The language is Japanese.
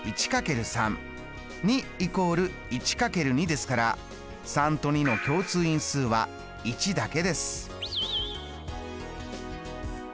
３＝１×３２＝１×２ですから３と２の共通因数は１だけです。